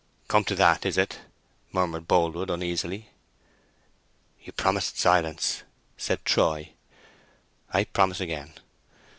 "Come to that, is it!" murmured Boldwood, uneasily. "You promised silence," said Troy. "I promise again."